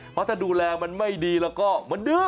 เพราะถ้าดูแลมันไม่ดีแล้วก็มันดื้อ